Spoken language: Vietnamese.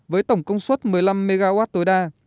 với tổng công suất một mươi năm mw tối đa